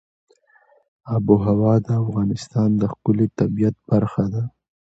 آب وهوا د افغانستان د ښکلي طبیعت برخه ده.